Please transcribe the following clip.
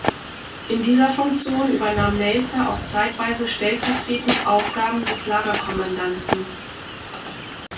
In dieser Funktion übernahm Melzer auch zeitweise stellvertretend Aufgaben des Lagerkommandanten.